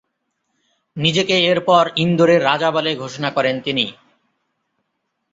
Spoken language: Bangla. নিজেকে এরপর ইন্দোরের রাজা বলে ঘোষণা করেন তিনি।